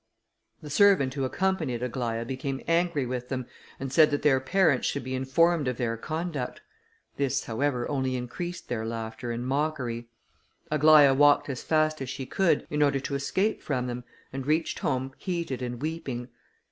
The servant who accompanied Aglaïa, became angry with them, and said that their parents should be informed of their conduct. This, however, only increased their laughter and mockery. Aglaïa walked as fast as she could, in order to escape from them, and reached home heated and weeping.